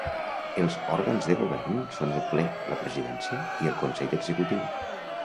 Els òrgans de govern són el Ple, la presidència i el Consell Executiu.